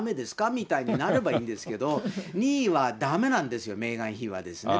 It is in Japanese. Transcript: みたいになればいいですけれども、２位はだめなんですよ、メーガン妃はですね。